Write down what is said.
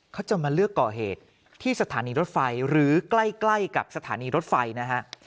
เขาจะมาเลือกก่อเหตุที่สถานีรถไฟหรือใกล้กับสถานีรถไฟนะฮะ